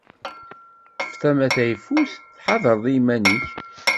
Ṭṭef tama tayfust, tḥadreḍ iman-ik.